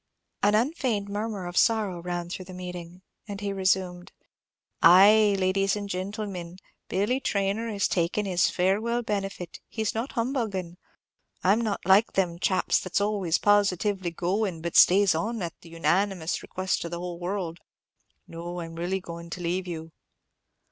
An unfeigned murmur of sorrow ran through the meeting, and he resumed: "Ay, ladies and gintlemin, Billy Traynor is takin' his 'farewell benefit;' he's not humbuggin'. I 'm not like them chaps that's always positively goin', but stays on at the unanimous request of the whole world. No; I'm really goin' to leave you."